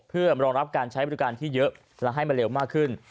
เพื่อรองรับการใช้บริการที่เยอะและให้มันเร็วมากขึ้น